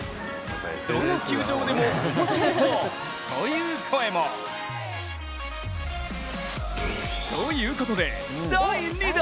どの球場でもおもしろそう！という声も。ということで第２弾。